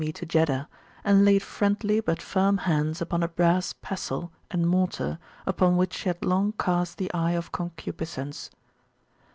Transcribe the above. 260] me to Jeddah, and laid friendly but firm hands upon a brass pestle and mortar, upon which she had long cast the eye of concupiscence.